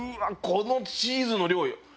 このチーズの量よ！